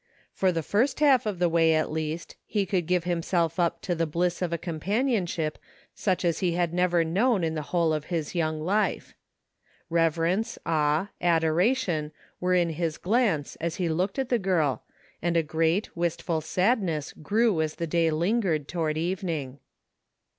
For the first half of the way, at least, he could give himself up to the bliss of a companionship such as he had never known in the whole of his young life. Reverence, awe, adora tion were in his glance as he looked at the girl, and a great, wistful sadness grew as the day lingered toward evening.